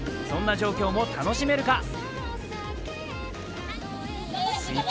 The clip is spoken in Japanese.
そんな状況も楽しめるか？